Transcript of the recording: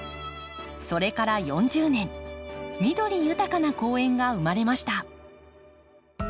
それから４０年緑豊かな公園が生まれました。